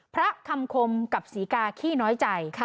พระคำคมกับศรีกาขี้น้อยใจ